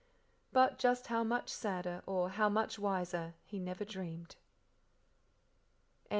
But just how much sadder or how much wiser he never dreamed.